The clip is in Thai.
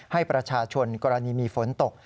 ให้ประชาชนกรณีมีฝนตก